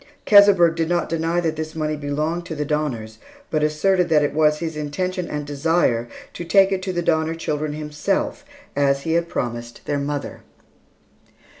Keseberg did not deny that this money belonged to the Donners, but asserted that it was his intention and desire to take it to the Donner children himself as he had promised their mother.